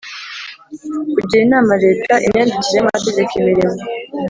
Kugira inama leta imyandikire y amategeko imirimo